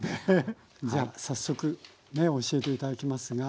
じゃあ早速ね教えて頂きますが。